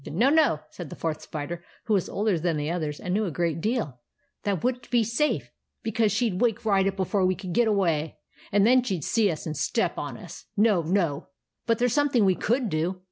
" No, no," said the Fourth Spider, who was older than the others and knew a great deal ;" that would n't be safe, because she 'd wake right up before we could get away; and then she 'd see us and step on us. No, no ! But there 's something we could do.